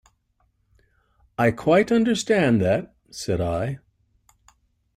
"I quite understand that," said I.